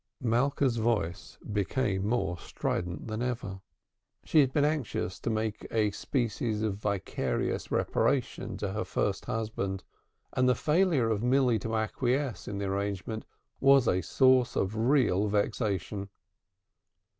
Malka's voice became more strident than ever. She had been anxious to make a species of vicarious reparation to her first husband, and the failure of Milly to acquiesce in the arrangement was a source of real vexation.